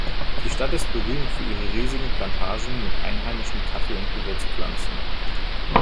Die Stadt ist berühmt für ihre riesigen Plantagen mit einheimischen Kaffee- und Gewürzpflanzen.